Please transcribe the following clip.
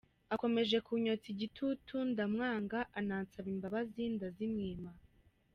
akomeje kunyotsa igitutu ndamwanga, anansaba imbabazi ndazimwima.